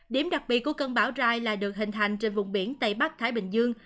điểm đặc biệt của cơn bão rai là được hình thành trên vùng biển tây bắc thái bình dương